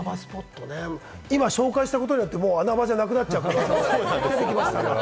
今、紹介したことによって、もう穴場じゃなくなっちゃう可能性がありますから。